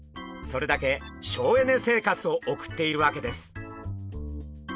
それだけ省エネ生活を送っているわけです。